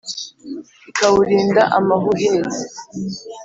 kikawurinda amahuhezi.